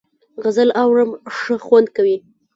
غزل اورم ښه خوند کوي .